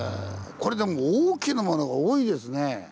これでも大きなものが多いですね。